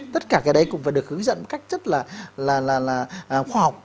tất cả cái đấy cũng phải được hướng dẫn cách chất là khoa học